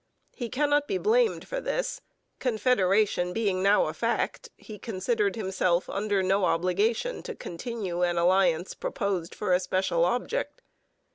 He cannot be blamed for this. Confederation being now a fact, he considered himself under no obligation to continue an alliance proposed for a special object.